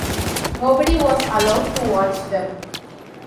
Nobody was allowed to watch them.